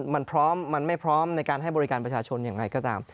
มันพร้อมมันไม่พร้อมในการให้บริการประชาชนอย่างไรก็ตาม